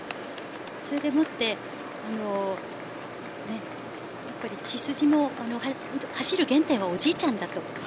それでいて血筋も走る原点はおじいちゃんだと。